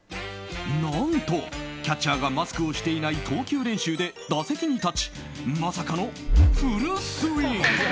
何と、キャッチャーがマスクをしていない投球練習で打席に立ちまさかのフルスイング。